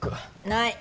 ない。